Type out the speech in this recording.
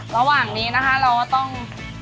ระหว่างนี้นะคะเราก็ต้อง